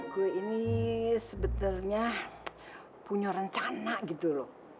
gue ini sebenarnya punya rencana gitu loh